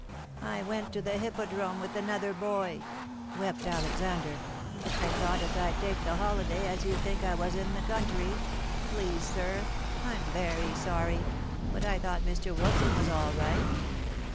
"I went to the Hippodrome with another boy," wept Alexander. "I thought as I'd take the holiday, as you'd think I was in the country. Please, sir, I'm very sorry, but I thought Mr. Wilson was all right."